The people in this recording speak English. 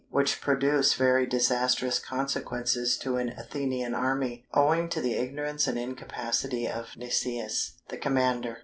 which produced very disastrous consequences to an Athenian army, owing to the ignorance and incapacity of Nicias, the commander.